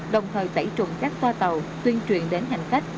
đồng thời tẩy trùng các toa tàu tuyên truyền đến hành khách